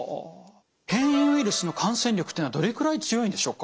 変異ウイルスの感染力っていうのはどれくらい強いんでしょうか？